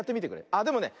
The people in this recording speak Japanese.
あでもね